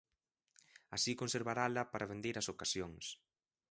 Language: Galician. Así conservarala para vindeiras ocasións.